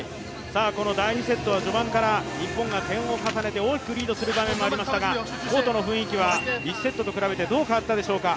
第２セットは序盤から日本が大きくリードする展開もありましたがコートの雰囲気は１セットと比べてどう変わったでしょうか？